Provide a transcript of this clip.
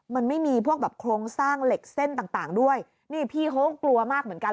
มันไม่มีพวกแบบโครงสร้างเหล็กเส้นต่างต่างด้วยนี่พี่เขาก็กลัวมากเหมือนกัน